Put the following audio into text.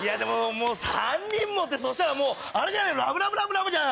３人ってそしたらあれじゃないラブラブラブラブじゃん！